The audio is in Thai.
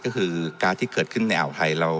ก็คือการ์ดที่เกิดขึ้นในอ่าวไทย